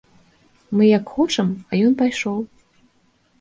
Мы як хочам, а ён пайшоў.